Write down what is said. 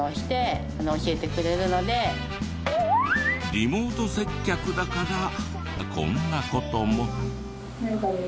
リモート接客だからこんな事も。